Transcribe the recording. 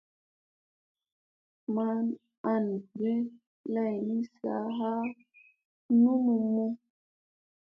Ma ana ge lay ni saa ha nunimu.